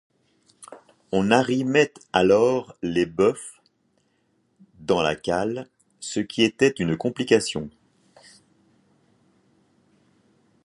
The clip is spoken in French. On arrimait alors les bœufs dans la cale, ce qui était une complication.